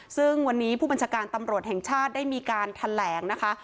ซึ่งวันนี้ผู้บัญชาการตำรวจแห่งชาติได้มีการแถลงนะคะ